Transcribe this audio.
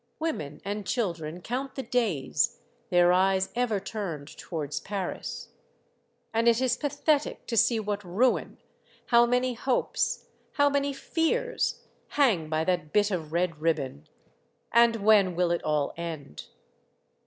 Women and children count the days, their eyes ever turned towards Paris. And it is pathetic to see what ruin, how many hopes, how many fears, hang by that bit of red ribbon. And when will it all end?